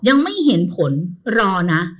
ยังไม่เห็นผลรอนะ